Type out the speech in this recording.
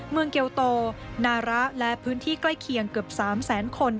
เกลโตนาระและพื้นที่ใกล้เคียงเกือบ๓แสนคน